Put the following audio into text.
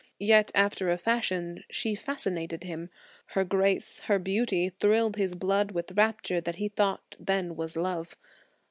Yet after a fashion she fascinated him. Her grace, her beauty, thrilled his blood with rapture that he thought then was Love.